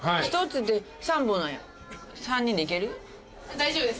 大丈夫です。